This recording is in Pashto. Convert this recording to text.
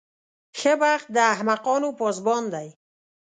ښه بخت د احمقانو پاسبان دی.